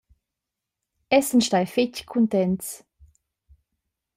Essan stai fetg cuntents.